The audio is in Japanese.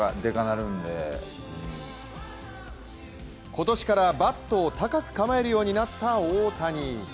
今年からバットを高く構えるようになった大谷。